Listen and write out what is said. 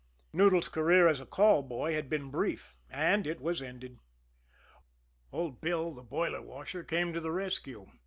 Noodles' career as a call boy had been brief and it was ended. Old Bill, the boiler washer, came to the rescue.